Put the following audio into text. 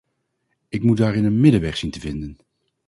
Ik moet daarin een middenweg zien te vinden.